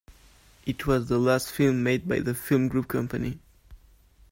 It was the last film made by the Filmgroup company.